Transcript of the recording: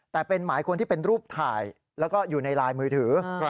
แต่เป็นหมายคนที่เป็นรูปถ่ายแล้วก็อยู่ในลายมือถือ